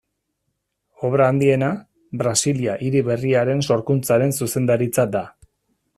Obra handiena, Brasilia hiri berriaren sorkuntzaren zuzendaritza da.